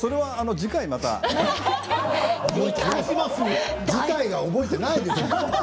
次回また覚えていないでしょう。